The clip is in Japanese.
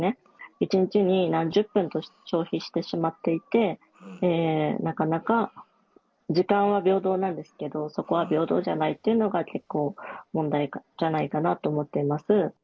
１日に何十分と消費してしまっていて、なかなか時間は平等なんですけど、そこは平等じゃないっていうのが、結構、問題じゃないかなと思っています。